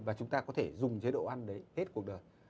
và chúng ta có thể dùng chế độ ăn đấy hết cuộc đời